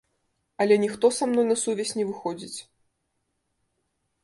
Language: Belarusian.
Але ніхто са мной на сувязь не выходзіць.